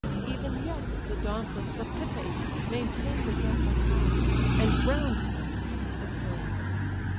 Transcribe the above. Even yet the dauntless Lapithae maintain The dreadful pass, and round them heap the slain.